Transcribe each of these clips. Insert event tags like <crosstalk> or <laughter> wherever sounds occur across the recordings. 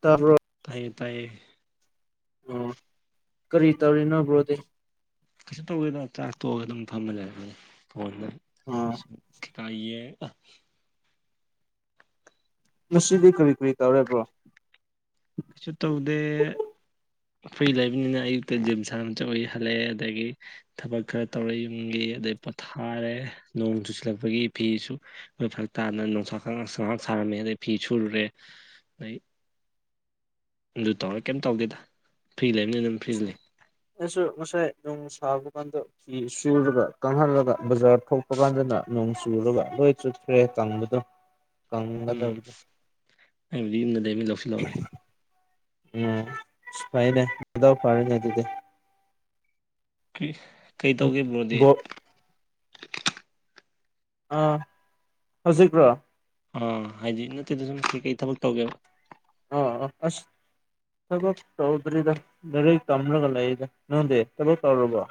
ꯇꯥ ꯇꯥꯏꯌꯦ ꯇꯥꯏꯌꯦ ꯑꯣ ꯀꯔꯤ ꯇꯧꯔꯤꯅꯣꯕ꯭ꯔꯣꯗꯤ ꯀꯩꯁꯨ ꯇꯧꯒꯦꯗ ꯆꯥꯛ ꯇꯣꯛꯑꯒ ꯑꯗꯨꯝ ꯐꯝꯃ ꯂꯩꯔꯅꯤ ꯐꯣꯟꯗ ꯎꯝ ꯁꯨꯝ ꯈꯤꯇ ꯌꯦꯡ ꯑ ꯉꯁꯤꯗꯤ ꯀꯔꯤ ꯀꯔꯤ ꯇꯧꯔꯕ꯭ꯔꯣ ꯀꯩꯁꯨ ꯇꯧꯗꯦ ꯑꯩꯈꯏ ꯂꯩꯕꯅꯤꯅ ꯑꯌꯨꯛꯇ ꯖꯤꯝ ꯁꯥꯟꯁꯨꯋ ꯍꯜꯂꯛꯑꯦ ꯑꯗꯒꯤ ꯊꯕꯛ ꯈꯔ ꯇꯧꯔꯦ ꯌꯨꯝꯒꯤ ꯑꯗꯩ ꯄꯣꯊꯥꯔꯦ ꯅꯣꯡ ꯆꯨꯁꯤꯜꯂꯛꯄꯒꯤ ꯐꯤꯁꯨ ꯃꯈꯣꯏ ꯐꯔꯛ ꯇꯥꯗꯅ ꯅꯨꯡꯁꯥ ꯈꯉ ꯁꯉꯥꯡ ꯁꯥꯔꯝꯃꯦ ꯑꯗꯩ ꯐꯤ ꯁꯨꯔꯦ ꯑꯗꯩ ꯗꯨ ꯇꯧꯔ ꯀꯩꯝ ꯇꯧꯗꯦꯗ ꯐ꯭ꯔꯤ ꯂꯩꯕꯅꯤ ꯑꯗꯨꯝ ꯐ꯭ꯔꯤ ꯂꯩ ꯑꯁꯨ ꯉꯁꯥꯏ ꯅꯝ ꯁꯕ ꯀꯥꯟꯗ ꯐ ꯁꯨꯔꯒ ꯀꯪꯍꯜꯂꯒ ꯕꯖꯥꯔ ꯊꯣꯛꯄ ꯀꯥꯟꯗꯅ ꯅꯣꯡ ꯆꯨꯔꯒ ꯂꯣꯏ ꯆꯠꯈ꯭ꯔꯦ ꯇꯪꯕꯗꯣ ꯎꯝ ꯀꯒꯗꯧꯒ ꯑꯩꯕꯨꯗꯤ ꯌꯨꯝꯗ ꯂꯩꯕꯅꯤꯅ ꯂꯧꯁꯤꯜꯍꯧꯔꯦ ꯎꯝ ꯐꯥꯏꯑꯦꯗ ꯑꯗꯣ ꯐꯥꯔꯅꯦ ꯑꯗꯨꯗꯤ ꯀꯩꯇꯧꯒꯦꯕ꯭ꯔꯣꯗꯤ ꯕꯣ ꯑꯥ ꯍꯧꯖꯤꯛꯔꯣ ꯑꯥ ꯍꯥꯏꯗꯤ ꯅꯠꯇꯦꯗ ꯁꯨꯝ ꯀꯩ ꯀꯩ ꯊꯕꯛ ꯇꯧꯒꯦꯕ ꯑꯣ ꯑꯁ ꯊꯕꯛ ꯇꯧꯗ꯭ꯔꯤꯗ ꯂꯔꯤꯡ ꯇꯝꯂꯒ ꯂꯩꯔꯤꯗ ꯅꯪꯗꯦ ꯊꯕꯛ ꯇꯧꯔꯕꯣ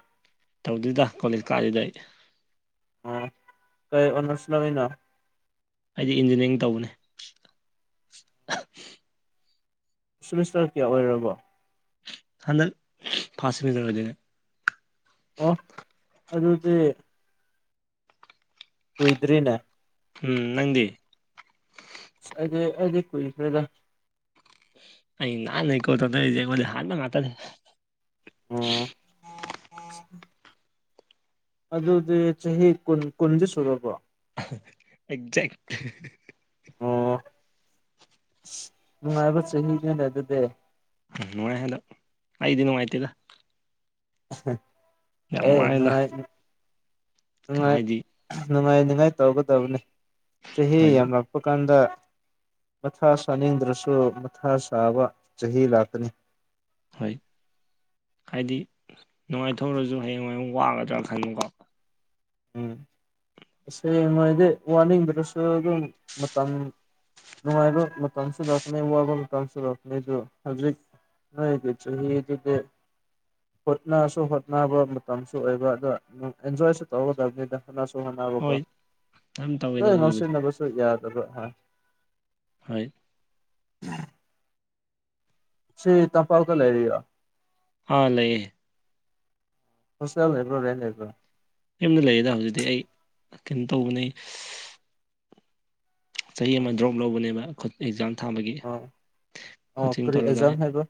ꯇꯧꯗꯨꯗ ꯀꯣꯂꯦꯖ ꯀꯥꯏꯗ ꯑꯩ ꯑ ꯀꯩ ꯑꯣꯅꯔꯁ ꯅꯃꯤꯅ ꯍꯥꯏꯗꯤ ꯏꯟꯖꯤꯅꯤꯌꯥꯔꯤꯡ ꯇꯧꯕꯅꯦ ꯁꯦꯃꯤꯁꯇꯔ ꯀꯌꯥ ꯑꯣꯏꯔꯕꯣ ꯍꯥꯟꯅ ꯐꯁꯤ ꯃꯤꯗꯅꯦ ꯑꯣ ꯑꯗꯨꯗꯤ ꯀꯨꯏꯗ꯭ꯔꯤꯅ ꯎꯝ ꯅꯪꯗꯤ ꯑꯩꯗꯤ ꯑꯩꯗꯤ ꯀꯨꯏꯗꯦꯗ ꯑꯩ ꯅꯥꯍꯟꯅ ꯏꯀꯣ ꯇꯧꯗ ꯑꯩꯉꯣꯡꯗꯩ ꯍꯥꯟꯕꯉꯥꯛꯇꯅꯦ <inaudible> ꯑꯗꯨꯗꯤ ꯆꯍꯤ ꯀꯨꯟ ꯀꯨꯟꯗꯤ ꯁꯨꯔꯕ꯭ꯔꯣ ꯑꯦꯛꯖꯦꯛ ꯑꯣ ꯅꯨꯡꯉꯥꯏꯕ ꯆꯍꯤꯅꯤꯅꯦ ꯑꯗꯨꯗꯤ ꯅꯨꯡꯉꯥꯏ ꯍꯟꯗꯛ ꯑꯩꯗꯤ ꯅꯨꯡꯉꯥꯏꯇꯦꯗ ꯌꯥꯝ ꯑꯦ ꯋꯥꯏꯗ ꯅꯨꯡꯉꯥꯏ ꯅꯨꯡꯉꯥꯏ ꯍꯥꯏꯗꯤ ꯅꯨꯡꯉꯥꯏ ꯉꯥꯏ ꯇꯧꯒꯗꯕꯅꯤ ꯆꯍꯤ ꯍꯣꯏ ꯌꯥꯝꯂꯛ ꯍꯥꯞꯄ ꯀꯥꯟꯗ ꯃꯊꯥ ꯁꯥꯅꯤꯡꯗ꯭ꯔꯁꯨ ꯃꯊꯥ ꯁꯥꯕ ꯆꯍꯤ ꯂꯥꯛꯀꯅꯤ ꯍꯣꯏ ꯍꯥꯏꯗꯤ ꯅꯨꯡꯉꯥꯏꯊꯣꯛꯔꯖꯨ ꯍꯌꯦꯡ ꯋꯥꯏ ꯃꯨꯛ ꯥꯋꯥꯒꯗ꯭ꯔ ꯈꯟꯕꯀꯣ ꯎꯝ ꯍꯌꯦꯡꯋꯥꯏꯗꯤ ꯋꯥꯅꯤꯡꯕꯔꯁꯨ ꯑꯗꯨꯝ ꯃꯇꯝ ꯅꯨꯡꯉꯥꯏꯕ ꯃꯇꯝꯁꯨ ꯂꯛꯅꯤ ꯋꯥꯕ ꯃꯇꯝꯁꯨ ꯂꯥꯛꯀꯅꯤ ꯑꯗꯣ ꯍꯧꯖꯤꯛ ꯅꯣꯏꯒꯤ ꯆꯍꯤꯖꯤꯗꯤ ꯍꯣꯠꯅꯁꯨ ꯍꯣꯠꯅꯕ ꯃꯇꯝꯁꯨ ꯑꯣꯏꯕ ꯑꯗ ꯑꯦꯟꯖꯣꯏꯁꯨ ꯇꯧꯒꯗꯕꯅꯤꯗ ꯍꯣꯠꯅꯁꯨ ꯍꯣꯠꯅꯕꯀꯣ ꯍꯣꯏ ꯑꯗꯨꯝ ꯇꯧꯋꯦꯗ ꯂꯣꯏ ꯑꯗꯨꯒꯤꯕꯨꯗꯤ ꯉꯥꯎꯁꯤꯟꯅꯕꯁꯨ ꯌꯥꯗꯕ ꯍꯣꯏ ꯁꯤ ꯇꯝꯄꯥꯛꯇꯥ ꯂꯩꯔꯤꯔꯣ ꯍꯥꯥ ꯂꯩꯌꯦ ꯍꯣꯁꯇꯦꯜ ꯂꯩꯕ꯭ꯔꯣ ꯔꯦꯟ ꯂꯩꯕ꯭ꯔꯣ ꯌꯨꯝꯗ ꯂꯩꯌꯦꯗ ꯍꯧꯖꯤꯛꯇꯤ ꯑꯩ ꯀꯩꯅꯣ ꯇꯧꯕꯅꯦ ꯆꯍꯤ ꯑꯃ ꯗ꯭ꯔꯣꯞ ꯂꯧꯕꯅꯦꯕ ꯑꯦꯛꯖꯥꯝ ꯊꯥꯕꯒꯤ ꯑꯣ ꯑꯣ ꯀꯣꯆꯤꯡ ꯀꯔꯤ ꯇꯧꯔꯒ ꯑꯦꯛꯖꯥꯝ ꯍꯥꯏꯕ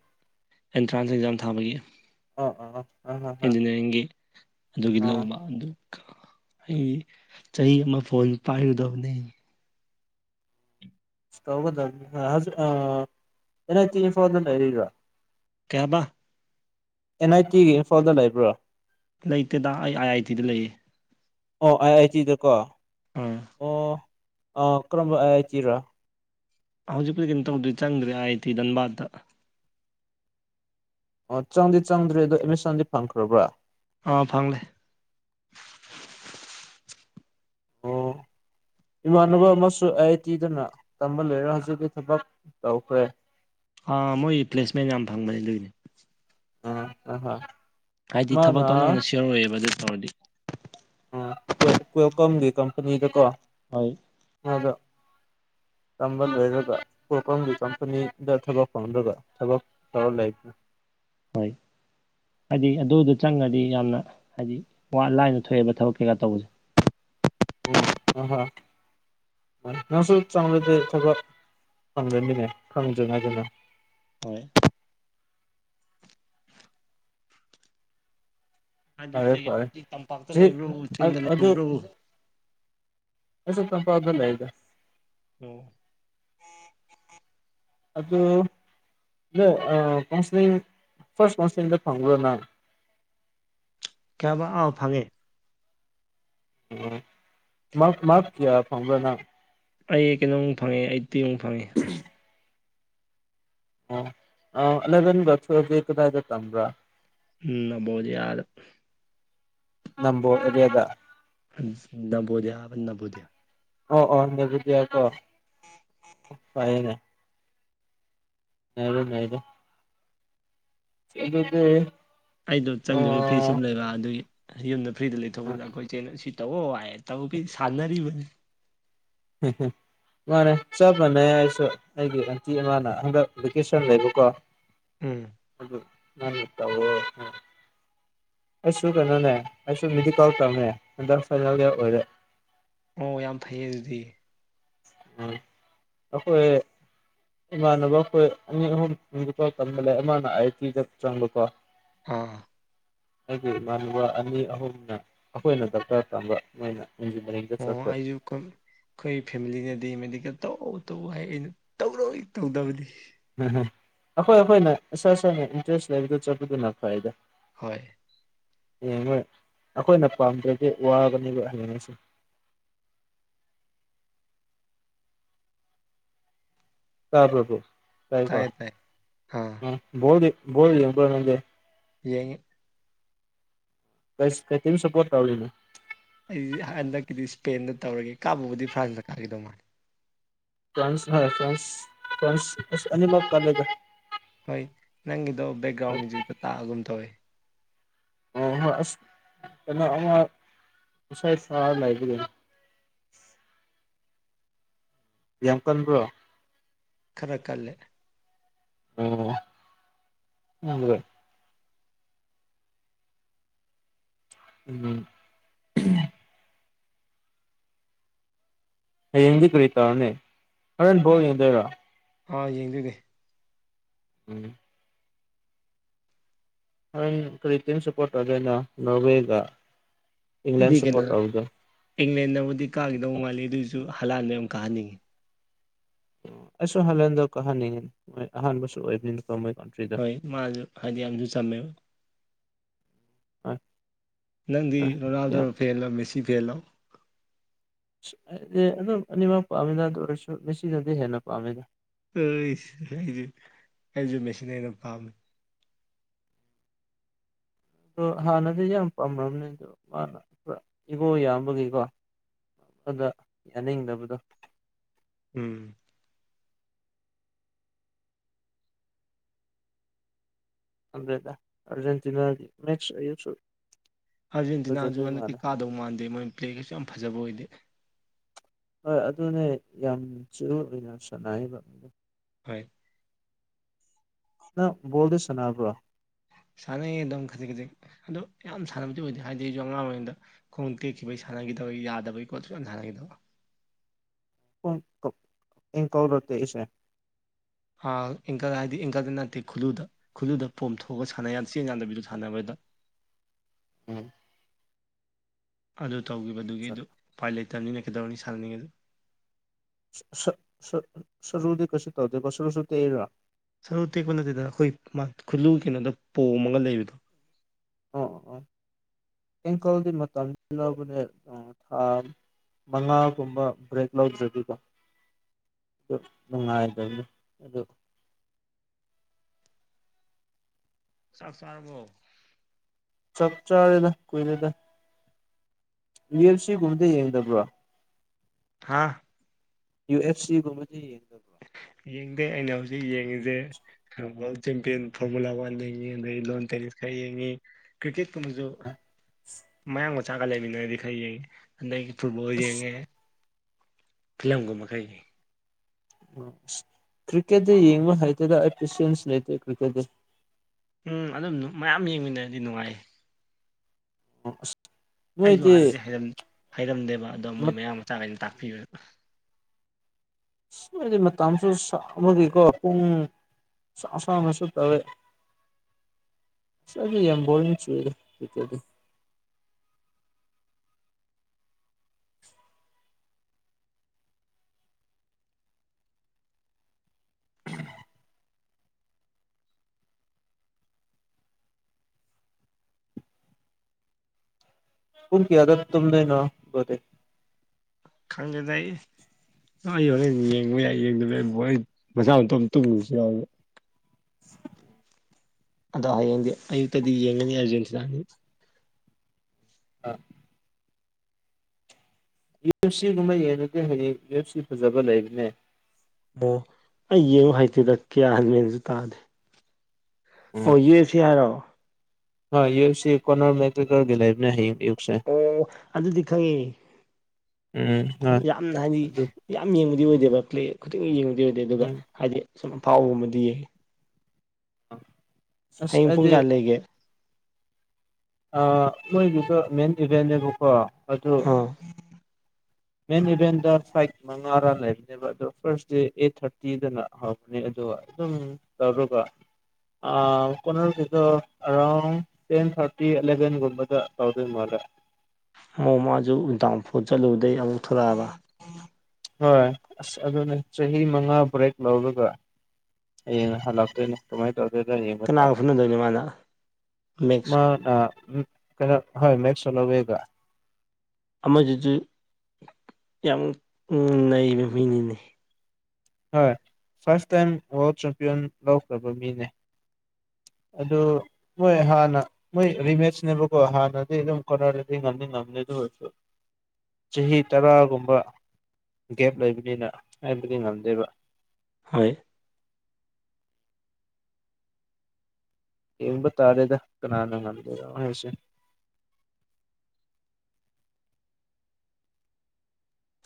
ꯑꯦꯟꯇ꯭ꯔꯥꯟꯁ ꯑꯦꯛꯖꯥꯝ ꯊꯥꯕꯒꯤ ꯑꯣ ꯑꯣ ꯑ ꯏꯟꯖꯤꯅꯤꯌꯥꯔꯤꯡꯒꯤ ꯑꯗꯨꯒꯤ ꯑ ꯂꯧꯕ ꯑꯗꯨꯒ ꯑꯩ ꯆꯍꯤ ꯑꯃ ꯐꯣꯏ ꯄꯥꯏꯔꯨꯗꯕꯅꯤ ꯇꯧꯒꯗꯝ ꯑ ꯅꯪ ꯇꯤꯂꯤꯐꯣꯟꯗ ꯂꯩꯔꯤꯔꯣ ꯀꯩꯍꯥꯕ ꯑꯦꯟ ꯑꯥꯏ ꯇꯤꯒꯤ ꯏꯝꯐꯥꯜꯗ ꯂꯩꯕ꯭ꯔꯣ ꯂꯩꯇꯦꯗ ꯑꯩ ꯑꯥꯏ ꯑꯥꯏ ꯇꯤꯗ ꯂꯩꯌꯦ ꯑꯣ ꯑꯥꯏ ꯑꯥꯏ ꯇꯤꯗꯀꯣ ꯑꯥ ꯑꯣ ꯑ ꯀꯔꯝꯕ ꯑꯥꯏ ꯑꯥꯏ ꯇꯤꯔꯣ ꯍꯧꯖꯤꯛꯄꯨꯗꯤ ꯀꯩꯅꯣ ꯇꯧꯗ꯭ꯔꯤ ꯆꯪꯗ꯭ꯔꯦ ꯑꯥꯏ ꯑꯥꯏ ꯇꯤ ꯗꯟꯕꯥꯠꯇ ꯑꯣ ꯆꯪꯗꯤ ꯆꯪꯗ꯭ꯔꯤ ꯑꯗꯣ ꯑꯦꯃꯤꯁꯟꯗꯤ ꯐꯪꯈ꯭ꯔꯕ꯭ꯔꯥ ꯑꯥ ꯐꯪꯪꯂꯦ ꯑꯣ ꯏꯃꯥꯟꯅꯕ ꯑꯃꯁꯨ ꯑꯥꯏ ꯑꯥꯏ ꯇꯤꯗꯅ ꯇꯝꯕ ꯂꯣꯏꯔꯒ ꯍꯧꯖꯤꯛꯇꯤ ꯊꯕꯛ ꯇꯧꯈ꯭ꯔꯦ ꯑꯥ ꯃꯣꯏ ꯄ꯭ꯂꯦꯁꯃꯦꯟ ꯌꯥꯝ ꯐꯪꯕꯅꯤ ꯑꯗꯨꯒꯤꯗꯤ ꯑꯥ ꯍꯣ ꯍꯣꯏ ꯍꯥꯏꯗꯤ ꯊꯕꯛꯛꯇꯣ ꯅꯪꯅ ꯁꯤꯌꯣꯔꯑꯣꯏꯕ ꯑꯗꯨ ꯇꯧꯔꯗꯤ ꯑꯥ ꯀꯋꯦꯜ ꯀ꯭ꯋꯦꯜꯀꯝꯒꯤ ꯀꯝꯄꯅꯤꯗꯀꯣ ꯍꯣꯏ ꯍꯗꯣ ꯇꯝꯕ ꯂꯣꯏꯔꯒꯥ ꯀꯣꯜꯀꯝꯒꯤ ꯀꯝꯄꯅꯤꯗꯥ ꯊꯕꯛ ꯐꯪꯗꯔꯥꯒ ꯊꯕꯛ ꯑꯧ ꯂꯩ ꯍꯣꯏ ꯍꯥꯏꯗꯤ ꯑꯗꯨꯗꯣ ꯆꯪꯉꯗꯤ ꯌꯥꯝꯅ ꯍꯥꯏꯗꯤ ꯋꯥ ꯂꯥꯏꯅ ꯊꯣꯛꯑꯦꯕ ꯊꯕꯛ ꯀꯩꯀꯥ ꯇꯧꯕꯁꯦ ꯎꯝ ꯍ ꯍꯣ ꯅꯪꯁꯨ ꯆꯥꯡꯂꯗꯤ ꯊꯕꯛ ꯐꯪꯗꯣꯏꯅꯤꯍꯦ ꯐꯪꯗ꯭ꯔꯤꯉꯩꯗꯅ ꯍꯣꯏ ꯀꯥꯏꯗ ꯐꯔꯦ ꯐꯔꯦ ꯂꯩꯒꯦ ꯇꯝꯄꯥꯛꯇ ꯁꯤ ꯂꯩꯕ꯭ꯔꯣ ꯆꯤꯡꯗ ꯑꯗꯨ ꯂꯩꯕ꯭ꯔꯣ ꯑꯩꯁꯨ ꯇꯞꯄꯗꯥ ꯂꯩꯗꯥ ꯑꯣ ꯑꯗꯨ ꯅꯪ ꯑꯥꯥ ꯀꯥꯎꯟꯁꯤꯂꯤꯡ ꯐꯥꯔꯁ ꯀꯥꯎꯟꯁꯤꯂꯤꯡꯗꯥ ꯐꯪꯕ꯭ꯔꯣ ꯅꯪ ꯀꯌꯥꯕ ꯑꯥꯎ ꯐꯪꯉꯦ ꯑꯣ ꯃꯥ ꯃꯥ꯭ꯔꯛ ꯀꯌꯥ ꯐꯪꯕ꯭ꯔ ꯅꯪ ꯑꯩ ꯀꯩꯅꯣꯃꯨꯛ ꯐꯪꯉꯦ ꯑꯩꯠꯇꯤ ꯃꯨꯛ ꯐꯪꯉꯦ ꯑꯣ ꯑꯥ ꯑꯂꯦꯕꯦꯟꯒꯥ ꯇꯨꯋꯦꯜꯞꯀꯥꯗꯤ ꯀꯗꯥꯏꯗꯥ ꯥꯇ꯭ꯝꯕꯔꯥ ꯎꯝ ꯅꯕꯣꯗꯤꯌꯥꯗꯥ ꯅꯝꯕꯣ ꯑꯦꯔꯤꯌꯥꯗꯥ ꯅꯝꯕꯣꯗꯌꯥ ꯍꯥꯏꯕ ꯅꯕꯣꯗꯌꯥ ꯑꯣ ꯑꯣ ꯅꯕꯣꯗꯤꯌꯥꯀꯣ ꯐꯥꯔꯦꯅꯦ <unintelligible> ꯑꯗꯨꯗꯤ ꯑꯩꯗꯣ ꯆꯪꯗꯕꯩ ꯐ꯭ꯔꯤ ꯑꯣ ꯁꯨꯝ ꯂꯩꯕ ꯑꯗꯨꯒꯤ ꯌꯨꯝꯗꯥ ꯐ꯭ꯔꯤꯗꯥ ꯂꯩꯊꯣꯛꯄꯗꯥ ꯑꯩꯈꯣꯏ ꯆꯦꯅ ꯁꯤ ꯇꯧꯋꯣ ꯍꯥꯏꯌꯦ ꯇꯧꯕꯤ ꯁꯥꯟꯅꯔꯤꯕꯅꯤ <unintelligible> ꯃꯥꯅꯦ ꯆꯞ ꯃꯥꯟꯅꯩ ꯑꯩꯁꯨ ꯑꯩꯒꯤ ꯑꯟꯇꯤ ꯑꯃꯅ ꯍꯟꯗꯛ ꯚꯦꯀꯦꯁꯟ ꯂꯩꯕꯀꯣ ꯎꯝ ꯑꯗꯨ ꯃꯥꯅ ꯇꯧꯋꯣ ꯍꯥꯏ ꯑꯩꯁꯨ ꯀꯩꯅꯣꯅꯦ ꯑꯩꯁꯨ ꯃꯦꯗꯤꯀꯜ ꯇꯝꯃꯦ ꯍꯟꯗꯛ ꯐꯥꯏꯅꯦꯜ ꯌꯥꯔ ꯑꯣꯏꯔꯦ ꯑꯣ ꯌꯥꯝ ꯐꯩꯌꯦ ꯑꯗꯨꯗꯤ ꯎꯝ ꯑꯩꯈꯣꯏ ꯏꯃꯥꯟꯅꯕ ꯑꯩꯈꯣꯏ ꯑꯅꯤ ꯑꯍꯨꯝ ꯃꯦꯗꯤꯀꯜ ꯇꯝꯕꯅꯦ ꯑꯃꯅ ꯑꯥꯏ ꯇꯤꯗꯥ ꯆꯪꯕꯀꯣ ꯑꯥ ꯑꯩꯒꯤ ꯏꯃꯥꯅꯕ ꯑꯅꯤ ꯑꯍꯨꯝꯅ ꯑꯩꯈꯣꯏꯅ ꯗꯣꯛꯇꯔ ꯇꯝꯕ ꯃꯣꯏꯅ ꯏꯟꯖꯤꯅꯤꯌꯥꯔꯤꯡꯗꯥ ꯑꯣ ꯆꯠꯈ꯭ꯔꯦ ꯑꯩꯁꯨ ꯑꯩꯈꯣꯏ ꯐꯦꯃꯤꯂꯤꯅꯗꯤ ꯃꯦꯗꯤꯀꯦꯜ ꯇꯧꯎ ꯇꯧꯎ ꯍꯥꯏ ꯑꯩꯅ ꯇꯧꯔꯣꯏ ꯇꯧꯗꯥꯕꯅꯤ ꯎꯝꯍꯝ ꯑꯩꯈꯣꯏ ꯑꯩꯈꯣꯏꯅ ꯏꯁꯥ ꯁꯥꯅ ꯏꯟꯇꯔꯦꯁ ꯂꯩꯕꯗꯣ ꯆꯠꯄꯗꯨꯅ ꯐꯩꯗꯥ ꯍꯣꯏ ꯑꯦ ꯍꯣꯏ ꯑꯩꯈꯣꯏꯅ ꯄꯥꯝꯗ꯭ꯔꯗꯤ ꯋꯥꯕꯅꯦꯕ ꯍꯥꯌꯦꯡꯁꯨꯝ ꯇꯕ꯭ꯔꯥ ꯑꯗꯨꯝ ꯇꯥꯏꯀꯣ ꯇꯥꯏꯌꯦ ꯇꯥꯏ ꯑꯥ ꯎꯝ ꯕꯣꯜꯗꯤ ꯕꯣꯜ ꯌꯦꯡꯕ꯭ꯔꯥ ꯅꯪꯗꯤ ꯌꯦꯡꯉꯤ ꯑꯩꯁ ꯀꯩ ꯇꯤꯝ ꯁꯥꯄꯣꯔꯠ ꯇꯧꯔꯤꯅꯣ ꯑꯩꯖꯨ ꯍꯟꯗꯛꯀꯤꯗꯤ ꯏꯁ꯭ꯄꯦꯟꯗꯥ ꯇꯧꯔꯒꯦ ꯀꯥꯕꯕꯨꯗꯤ ꯐ꯭ꯔꯥꯟꯁꯅ ꯀꯥꯒꯤꯗꯧ ꯃꯥꯜꯂꯤ ꯐꯔꯥꯟꯁ ꯍꯥꯏꯔ ꯐꯔꯥꯟꯁ ꯐꯔꯥꯟꯁ ꯑꯁ ꯑꯅꯤꯃꯛ ꯄꯥꯝꯃꯤꯗꯥ ꯍꯣꯏ ꯅꯪꯒꯤꯗꯣ ꯕꯦꯛꯒ꯭ꯔꯥꯎꯟ ꯃ꯭ꯌꯨꯖꯤꯛꯇꯣ ꯇꯥꯕꯒꯨꯝ ꯇꯧꯋꯦ ꯑꯣ ꯍꯣꯏ ꯑꯁ ꯀꯩꯅꯣ ꯑꯃ ꯉꯁꯥꯏ ꯁꯥ ꯂꯩꯕ ꯌꯥꯝ ꯀꯟꯕ꯭ꯔꯣ ꯈꯔ ꯀꯜꯂꯦ ꯑꯣ <unintelligible> ꯎꯝ ꯍꯌꯦꯡꯗꯤ ꯀꯔꯤ ꯇꯧꯔꯅꯦ ꯍꯔꯦꯟ ꯕꯣꯟ ꯌꯦꯡꯗꯣꯏꯔꯣ ꯑꯥ ꯌꯦꯡꯗꯣꯏꯅꯦ ꯎꯝ ꯍꯣꯔꯦꯟ ꯀꯔꯤ ꯇꯤꯝ ꯁꯥꯄꯣꯔꯠ ꯇꯧꯗꯩꯅꯣ ꯅꯣꯔꯋꯦꯒꯥ ꯏꯗꯤ ꯀꯩꯅꯣꯗꯥ ꯏꯪꯂꯦꯟꯅꯕꯨꯗꯤ ꯀꯥꯒꯤꯗꯧ ꯃꯥꯜꯂꯤ ꯑꯗꯨꯑꯣꯏꯖꯨ ꯍꯂꯥꯟꯗꯣ ꯌꯥꯝ ꯀꯥꯍꯟꯅꯤꯡꯉꯤ ꯑꯩꯁꯨ ꯍꯥꯜꯂꯥꯟꯗꯣ ꯀꯥꯍꯟꯅꯤꯡꯉꯤ ꯃꯣꯏ ꯑꯍꯥꯟꯕꯁꯨ ꯑꯣꯏꯕꯅꯤꯅꯀꯣ ꯃꯣꯏ ꯀꯟꯇ꯭ꯔꯤꯗꯣ ꯃꯥꯖꯨ ꯍꯥꯏꯗꯤ ꯌꯥꯝꯖꯨ ꯆꯝꯃꯦꯕ <unintelligible> ꯅꯪꯗꯤ ꯍꯣꯏ ꯌꯥꯝ ꯔꯣꯅꯥꯜꯗꯣꯔꯣ ꯐꯦꯜꯂꯣ ꯃꯦꯁꯤ ꯐꯦꯜꯂꯣ ꯑꯗꯨꯝ ꯑꯅꯤꯃꯛ ꯄꯥꯝꯃꯤꯗꯥ ꯑꯗꯨ ꯑꯣꯏꯔꯁꯨ ꯃꯁꯤꯅꯥꯗꯤ ꯍꯦꯟꯅ ꯄꯥꯝꯃꯤꯗꯥ ꯑꯩꯁ ꯑꯩꯖꯨ ꯑꯩꯖꯨ ꯃꯦꯁꯤꯅ ꯍꯦꯟꯅ ꯄꯥꯝꯃꯤ ꯑꯣ ꯍꯥꯟꯅꯗꯤ ꯌꯥꯝ ꯄꯥꯝꯕꯅꯦ ꯑꯗꯣ ꯃꯥꯅ ꯄꯨꯔ ꯏꯒꯣ ꯌꯥꯝꯕꯒꯤꯀꯣ ꯑꯗꯨꯗ ꯌꯥꯅꯤꯡꯗꯕꯗꯣ ꯎꯝ <unintelligible> ꯗꯦꯗ ꯑꯔꯖꯦꯟꯇꯤꯅꯥ ꯃꯦꯠꯁ <unintelligible> ꯑꯥꯔꯖꯦꯟꯇꯤꯅꯥꯁꯨ ꯐꯖꯗꯣꯏ ꯍꯟꯗꯛꯇꯤ ꯃꯥꯜꯂꯦ ꯀꯥꯗꯧ ꯃꯥꯟꯗꯦ ꯃꯣꯏ ꯄ꯭ꯂꯦꯒꯩꯁꯨ ꯌꯥꯝ ꯐꯖꯕ ꯑꯣꯏꯗꯦ ꯍꯣꯏ ꯑꯗꯨꯅꯦ ꯌꯥꯝ ꯆꯨꯔꯨ ꯑꯣꯏꯅ ꯁꯥꯟꯅꯩꯕ ꯍꯣꯏ ꯅꯪ ꯕꯣꯜꯗꯨ ꯁꯅꯥꯕ꯭ꯔꯣ ꯁꯥꯟꯅꯩꯌꯦ ꯑꯗꯨꯝ ꯈꯖꯤꯛ ꯈꯖꯤꯛ ꯑꯗꯣ ꯌꯥꯝ ꯁꯥꯟꯅꯕꯗꯤ ꯑꯣꯏꯗꯦ ꯍꯥꯏꯗꯤ ꯑꯩꯁꯨ ꯑꯉꯥꯡ ꯑꯣꯏꯔꯤꯉꯩꯗ ꯈꯣꯡ ꯇꯦꯛꯈꯤꯕꯒꯤ ꯁꯥꯟꯅꯈꯤꯗꯕꯒꯤ ꯌꯥꯗꯕꯩꯀꯣ ꯑꯗꯨ ꯁꯨꯁꯥꯟ ꯁꯥꯟꯅꯈꯤꯗꯕ ꯈꯣꯡ ꯑꯦꯡꯀꯜꯔꯣ ꯇꯦꯛꯏꯁꯦ ꯑꯥ ꯑꯦꯡꯀꯜ ꯍꯥꯏꯗꯤ ꯑꯦꯡꯀꯜꯗ ꯅꯠꯇꯦ ꯈꯨꯜꯂꯨꯗ ꯈꯨꯜꯂꯨꯗ ꯄꯣꯝꯣꯛꯑꯒ ꯁꯥꯟꯅ ꯌꯥ ꯆꯦꯡ ꯌꯥꯟꯗꯕꯤꯗꯨ ꯁꯥꯟꯅꯕꯗ <unintelligible> ꯑꯗꯨ ꯇꯧꯈꯤꯕꯗꯨꯒꯤ ꯁ ꯑꯗꯨ ꯎꯄꯥꯏ ꯂꯩꯇꯕꯅꯤꯅ ꯀꯩꯗꯧꯔꯅꯤ ꯁꯥꯟꯅꯅꯤꯡꯉꯁꯨ <unintelligible> ꯁꯔꯨꯗꯤ ꯀꯩꯁꯨ ꯇꯧꯗꯦꯀꯣ ꯁꯔꯨ ꯁꯨ ꯇꯦꯛꯏꯔꯥ ꯁꯔꯨ ꯇꯦꯛꯄ ꯅꯠꯇꯦꯗ ꯑꯩꯈꯣꯏ ꯈꯨꯜꯂꯨ ꯀꯩꯅꯣꯗ ꯄꯣꯝꯃꯒ ꯂꯩꯕꯗꯣ ꯑꯣ ꯑꯣ ꯑꯣ ꯑꯦꯡꯀꯜꯗꯤ ꯃꯇꯝ <unintelligible> ꯕꯅꯦ ꯑ ꯊꯥ ꯃꯉꯥꯒꯨꯝꯕ ꯕ꯭ꯔꯦꯛ ꯂꯧꯗꯔꯗꯤꯀꯣ ꯑꯗꯨ ꯅꯨꯡꯉꯥꯏꯗꯕꯅꯦ ꯑꯗꯨ ꯆꯥꯛ ꯆꯥꯔꯕꯣ ꯆꯥꯛ ꯆꯥꯔꯦꯗ ꯀꯨꯏꯔꯦꯗ ꯌꯨ ꯑꯦꯜ ꯁꯤꯒꯨꯝꯕꯗꯤ ꯌꯦꯡꯗꯕ꯭ꯔꯣ ꯍꯥꯥ ꯌꯨ ꯑꯦꯐ ꯁꯤꯒꯨꯝꯕꯗꯤ ꯌꯦꯡꯗꯕ ꯌꯦꯡꯗꯦ ꯑꯩꯅ ꯍꯧꯖꯤꯛ ꯌꯦꯡꯉꯤꯁꯦ ꯋ꯭ꯔꯜꯗ ꯆꯦꯝꯄꯤꯟ ꯐꯣꯔꯃꯨꯂꯥ ꯋꯥꯟ ꯌꯦꯡꯉꯤ ꯑꯗꯩ ꯂꯣꯟ ꯇꯦꯅꯤꯁ ꯈꯔ ꯌꯦꯡꯉꯤ ꯀ꯭ꯔꯤꯛꯀꯦꯠꯀꯨꯝꯕꯁꯨ ꯃꯌꯥꯡ ꯃꯆꯥꯒ ꯂꯩꯃꯤꯟꯅꯔꯗꯤ ꯈ ꯌꯦꯡꯉꯤ ꯑꯗꯒꯤ ꯐꯨꯠꯕꯣꯜ ꯑꯁ ꯌꯦꯡꯉꯦ ꯐꯤꯂꯝꯒꯨꯝꯕ ꯈꯔ ꯌꯦꯡꯉꯦ ꯑꯣ ꯀ꯭ꯔꯤꯀꯦꯠꯇꯤ ꯌꯦꯡꯕ ꯍꯥꯏꯇꯦꯗ ꯑꯩ ꯄꯦꯁꯤꯌꯦꯟꯁ ꯂꯩꯇꯦ ꯀ꯭ꯔꯤꯀꯦꯠꯇ ꯎꯝ ꯑꯗꯨꯝ ꯃꯌꯥꯝ ꯌꯦꯡꯃꯤꯟꯅꯔꯗꯤ ꯅꯨꯡꯉꯥꯏ ꯑꯣ ꯑꯁ ꯑꯩꯁꯨ ꯅꯣꯏꯗꯤ ꯍꯥꯟꯅꯗꯤ ꯍꯩꯔꯝ ꯍꯩꯔꯝꯗꯦꯕ ꯑꯗꯣ ꯃꯣꯏ ꯃꯌꯥꯡ ꯃꯆꯥꯈꯩꯅ ꯇꯥꯛꯄꯤꯕ ꯃꯣꯏꯗꯤ ꯃꯇꯝꯁꯨ ꯁꯥꯡꯕꯒꯤꯀꯣ ꯄꯨꯡ ꯁꯥ ꯁꯥꯡꯅꯁꯨ ꯇꯧꯋꯦ ꯑꯁ ꯑꯩꯗ ꯌꯥꯝ ꯕꯣꯔꯤꯡ ꯆꯨꯏꯗ ꯀ꯭ꯔꯦꯀꯦꯠꯗꯤ ꯄꯨꯡ ꯀꯌꯥꯗꯅ ꯇꯨꯝꯗꯨꯏꯅꯣ <unintelligible> ꯈꯪꯗꯦꯗ ꯏꯁ <unintelligible> ꯍꯣꯔꯦꯟ ꯌꯦꯡꯕ ꯌꯥꯏ ꯌꯦꯡꯗꯕ ꯌꯥꯏ <unintelligible> ꯃꯁꯥ ꯃꯇꯣꯝ ꯇꯨꯃꯒꯤꯕꯁꯨ ꯌꯥꯎꯋꯦ <inaudible> ꯑꯗꯣ ꯍꯌꯦꯡꯗꯤ ꯑꯌꯨꯛꯇꯗꯤ ꯌꯦꯡꯒꯅꯤ ꯑꯥꯔꯖꯦꯟꯇꯤꯅꯥꯒꯤ ꯑꯥ ꯌꯨ ꯑꯦꯐ ꯁꯤꯒꯨꯝꯕ ꯌꯦꯡꯉꯗꯤ ꯍꯌꯦꯡ ꯌꯨ ꯑꯦꯐ ꯁꯤ ꯐꯖꯕ ꯂꯩꯕꯅꯦ ꯑꯣ ꯑꯩ ꯌꯦꯡꯉꯨ ꯍꯩꯇꯦꯗ ꯀꯌꯥ ꯃꯦꯟꯁꯨ ꯇꯥꯗꯦ ꯑꯣ ꯌꯨ ꯑꯦꯐ ꯁꯤ ꯍꯥꯏꯔꯣ ꯍꯣꯏ ꯌꯨ ꯑꯦꯐ ꯁꯤ ꯀꯣꯟꯅꯔ ꯃꯦꯒ ꯒ꯭ꯔꯦꯒꯔꯒꯤ ꯂꯩꯕꯅꯦ ꯍꯌꯦꯡ ꯑꯌꯨꯛ꯫ ꯑꯣ ꯑꯗꯨꯗꯤ ꯈꯪꯉꯦ ꯎꯝ ꯍꯣꯏ ꯌꯥꯝꯅ ꯍꯥꯏꯗꯤ ꯑꯗꯨ ꯌꯥꯝ ꯌꯦꯡꯕꯗꯤ ꯑꯣꯏꯗꯦꯕ ꯄ꯭ꯂꯦ ꯈꯨꯗꯤꯡ ꯌꯦꯡꯕꯗꯤ ꯑꯣꯏꯗꯦ ꯑꯗꯨꯒ ꯎꯝ ꯍꯥꯏꯗꯤ ꯁꯨꯝ ꯑꯐꯥꯎꯕꯒꯨꯝꯗꯤ ꯌꯦꯡꯉꯦ <inaudible> ꯍꯌꯦꯡ ꯄꯨꯡ ꯑꯩꯗꯤ ꯀꯌꯥꯗ ꯂꯩꯒꯦ ꯑ ꯃꯣꯏꯗꯨꯗ ꯃꯦꯟ ꯏꯚꯦꯟꯅꯦꯕꯀꯣ ꯑꯗꯨ ꯑꯥ ꯃꯦꯟ ꯏꯚꯦꯟꯗ ꯐꯥꯏꯠ ꯃꯉꯥꯔ ꯂꯩ ꯕ ꯑꯗꯣ ꯐꯥꯔꯁꯗꯦ ꯑꯩꯠ ꯊꯥꯔꯇꯤꯗꯅ ꯍꯧꯕꯅꯦ ꯑꯗꯨꯒ ꯑꯗꯨꯝ ꯇꯧꯔꯒ ꯑ <unintelligible> ꯑꯔꯥꯎꯟ ꯇꯦꯟ ꯊꯥꯔꯇꯤ ꯑꯦꯂꯕꯦꯟ ꯒꯨꯝꯕꯗ ꯇꯧꯗꯨꯏ ꯃꯥꯜꯂꯦ ꯃꯥꯁꯨ ꯗꯥꯎꯟꯐꯣꯜ ꯆꯠꯂꯨꯕꯗꯩ ꯑꯃꯨꯛ ꯊꯣꯀꯂꯛ ꯑꯕ ꯍꯣꯏ ꯑꯁ ꯑꯗꯨꯅꯦ ꯆꯍꯤ ꯃꯉꯥ ꯕ꯭ꯔꯦꯛ ꯂꯧꯔꯒ ꯍꯌꯦꯡ ꯍꯜꯂꯛꯇꯣꯏꯅꯦ ꯀꯃꯥꯏ ꯇꯧꯗꯨꯏꯅꯣ ꯌꯦꯡꯕ ꯀꯅꯥꯒ ꯇꯜꯂꯦ ꯐꯨꯅꯗꯣꯏꯅꯣ ꯃꯥꯅ ꯃꯦꯛꯁ ꯃꯥꯅ ꯀꯩꯅꯣ ꯍꯣꯏ <unintelligible> ꯑꯃꯖꯤꯖꯨ ꯌꯥꯝ ꯅꯩꯕ ꯃꯤꯅꯤꯅꯦ ꯍꯣꯏ ꯐꯥꯔꯁ ꯇꯥꯏꯝ ꯋꯥꯔꯜ ꯆꯦꯝꯄꯤꯌꯟ ꯂꯧꯈ꯭ꯔꯕ ꯃꯤꯅꯦ ꯑꯗꯨ ꯃꯣꯏ ꯍꯥꯟꯅ ꯃꯣꯏ ꯔꯤꯃꯦꯠꯁꯅꯦꯕꯀꯣ ꯍꯥꯟꯅꯗꯤ ꯑꯗꯨꯝ ꯀꯣꯅꯔꯗꯤ ꯉꯝꯗꯤ ꯑꯃꯁꯨꯡ ꯉꯝꯅꯤ ꯑꯗꯨ ꯑꯣꯏꯔꯁꯨ ꯆꯍꯤ ꯇꯔꯥꯒꯨꯝꯕ ꯒꯦꯞ ꯂꯩꯕꯅꯤꯅ ꯍꯥꯏꯕꯗꯤ ꯉꯝꯗꯦꯕ ꯍꯣꯏ ꯌꯦꯡꯕ ꯇꯥꯔꯦꯗ ꯀꯅꯥꯅ ꯉꯝꯒꯦꯔꯣ ꯍꯥꯏꯁꯦ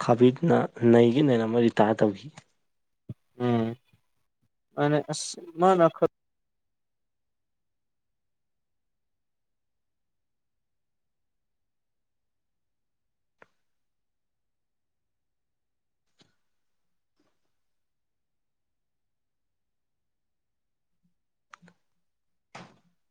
ꯈꯕꯤꯠꯅ ꯅꯩꯒꯩ ꯅꯩꯔꯝꯃ ꯔꯤꯇꯥꯌꯔ ꯇꯧꯈꯤ ꯎꯝ ꯑꯅꯦ ꯑꯁ ꯃꯥꯅ ꯈꯔ <inaudible>